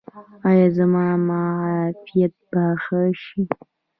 ایا زما معافیت به ښه شي؟